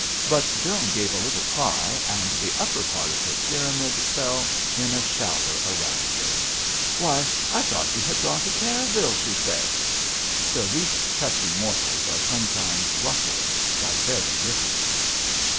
But Joan gave a little cry, and the upper part of her pyramid fell in a shower around her. "Why, I thought you had gone to Terraville !" she said. The least touchy mortals are sometimes ruffled by very little.